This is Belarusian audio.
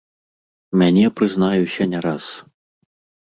Мяне, прызнаюся, не раз.